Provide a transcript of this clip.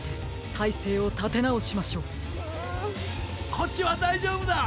こっちはだいじょうぶだ！